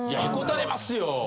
へこたれますよ！